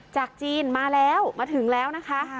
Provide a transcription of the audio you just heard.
จากจีนมาแล้วมาถึงแล้วนะคะ